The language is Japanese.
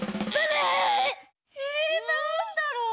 なんだろう。